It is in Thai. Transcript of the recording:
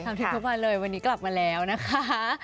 ทุกวันเลยวันนี้กลับมาแล้วนะคะ